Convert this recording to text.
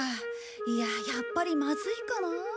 いややっぱりまずいかな。